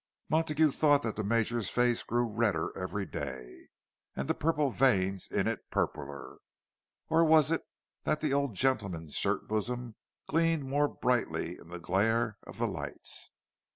Montague thought that the Major's face grew redder every day, and the purple veins in it purpler; or was it that the old gentleman's shirt bosom gleamed more brightly in the glare of the lights?